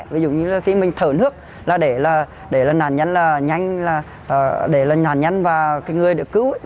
ví dụ như khi mình thở nước để nạn nhân và người được cứu